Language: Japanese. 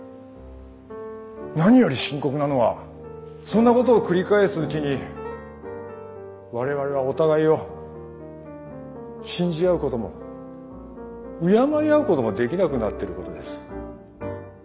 何より深刻なのはそんなことを繰り返すうちに我々はお互いを信じ合うことも敬い合うこともできなくなってることです。